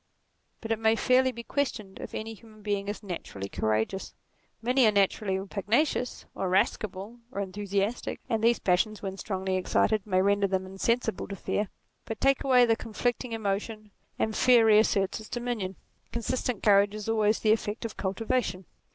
But it may fairly be questioned if any human being is naturally courageous. Many are natu rally pugnacious, or irascible, or enthusiastic, and these passions when strongly excited may render them in sensible to fear. But take away the conflicting emotion, and fear reasserts its dominion : consistent courage is always the effect of cultivation.